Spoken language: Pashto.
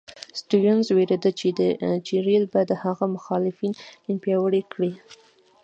سټیونز وېرېده چې رېل به د هغه مخالفین پیاوړي کړي.